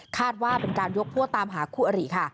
คาดว่าเป็นการยกพั่วตามหาครูอารีค่ะ